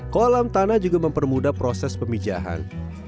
kolam tanah juga mempermudah proses pemijahan